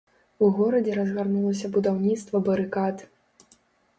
У горадзе разгарнулася будаўніцтва барыкад.